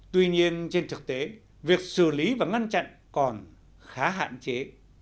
tuy nhiên trên thực tế việc xử lý và ngăn chặn còn khá hạn chế